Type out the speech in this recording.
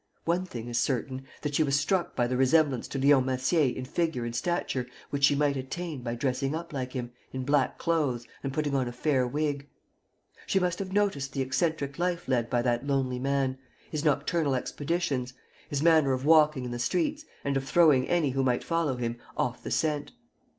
One thing is certain, that she was struck by the resemblance to Leon Massier in figure and stature which she might attain by dressing up like him, in black clothes, and putting on a fair wig. She must have noticed the eccentric life led by that lonely man, his nocturnal expeditions, his manner of walking in the streets and of throwing any who might follow him off the scent.